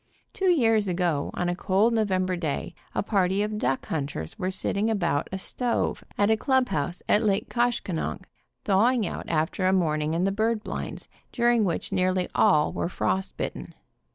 Two years ago, on a cold November day, a party of duck hunters were sitting about a stove at a clubhouse at Lake Koshkonong, thawing out after a morning in the duck blinds, during which nearly all were frost bitten.